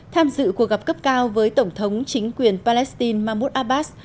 tham dự cuộc gặp cấp cao với tổng thống chính quyền palestine mahmoud abbas